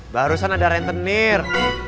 barusan ada rentenir